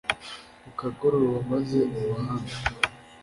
Bukagoroba maze uruhande!"